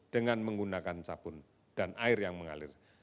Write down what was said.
dengan menggunakan sabun dan air yang mengalir